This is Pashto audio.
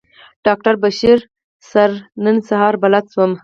ډاکټره بشرا سره نن سهار بلد شوم.